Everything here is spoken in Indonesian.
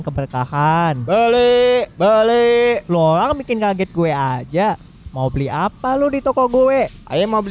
keberkahan beli beli lo orang bikin kaget gue aja mau beli apa lu di toko gue ayo mau beli